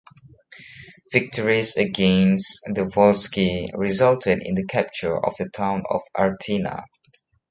Victories against the Volsci resulted in the capture of the town of Artena.